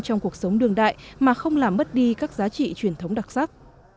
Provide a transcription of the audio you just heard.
trong cuộc sống đương đại mà không làm mất đi các giá trị truyền thống đặc sắc